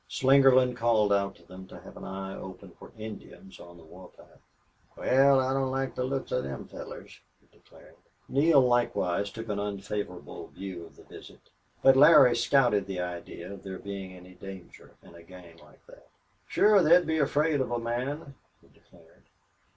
Slingerland called out to them to have an eye open for Indians on the war path. "Wal, I don't like the looks of them fellars," he declared. Neale likewise took an unfavorable view of the visit, but Larry scouted the idea of there being any danger in a gang like that. "Shore they'd be afraid of a man," he declared.